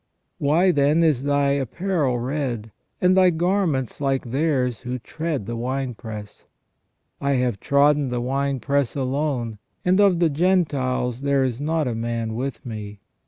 " Why, then, is Thy apparel red, and Thy garments like theirs who tread the wine press ?" I have trodden the wine press alone, and of the Gentiles there is not a man with Me.